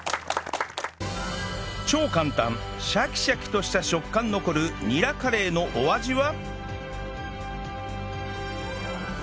超簡単シャキシャキとした食感残るニラカレーのお味は？